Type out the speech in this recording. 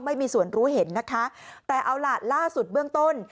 ไม่มีส่วนรู้เห็นนะคะแต่เอาล่ะล่าสุดเบื้องต้น